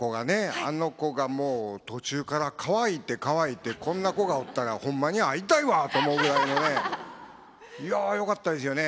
あの子がもう途中から「かわいいてかわいいてこんな子がおったらホンマに会いたいわ！」と思うぐらいのねいやよかったですよね。